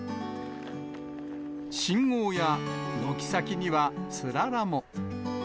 信号や軒先にはつららも。